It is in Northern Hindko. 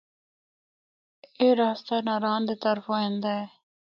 اے رستہ ناران دے طرفو ایندا ہے۔